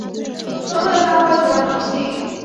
充分发挥主观能动性